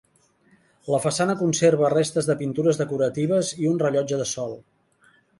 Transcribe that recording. La façana conserva restes de pintures decoratives i un rellotge de sol.